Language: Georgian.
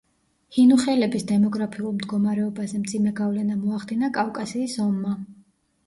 ჰინუხელების დემოგრაფიულ მდგომარეობაზე მძიმე გავლენა მოახდინა კავკასიის ომმა.